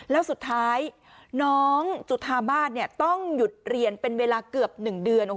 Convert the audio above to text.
แล้วสุดท้ายน้องจุธามาศต้องหยุดเรียนเป็นเวลาเกือบ๑เดือน